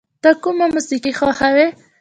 ته کوم موسیقی خوښوې؟